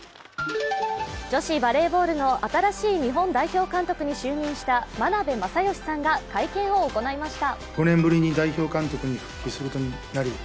女子バレーボールの新しい日本代表監督に就任した眞鍋政義さんが会見を行いました。